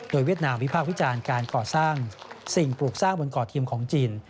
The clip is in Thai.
เวียดนามวิพากษ์วิจารณ์การก่อสร้างสิ่งปลูกสร้างบนก่อเทียมของจีน